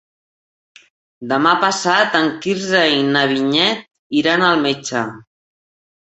Demà passat en Quirze i na Vinyet iran al metge.